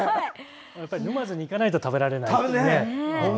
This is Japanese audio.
やっぱり沼津に行かないと食べられない。